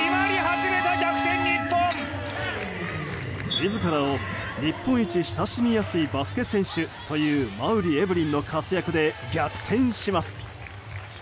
自らを日本一親しみやすいバスケ選手という馬瓜エブリンの活躍で逆転します。